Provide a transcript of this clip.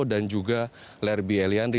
dan juga lerby elianri